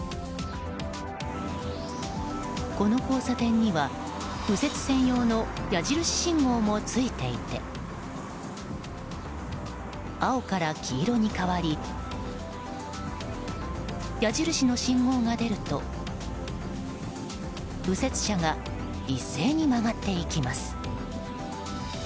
この交差点には右折専用の矢印信号もついていて青から黄色に変わり矢印の信号が出ると右折車が一斉に曲がっていきます。